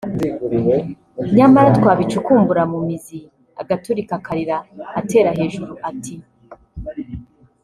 nyamara twabicukumbura mu mizi agaturika akarira atera hejuru ati